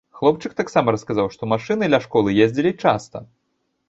Хлопчык таксама расказаў, што машыны ля школы ездзілі часта.